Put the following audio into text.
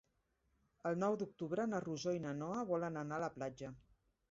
El nou d'octubre na Rosó i na Noa volen anar a la platja.